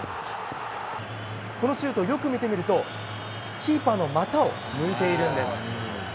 このシュートよく見てみるとキーパーの股を抜いているんです。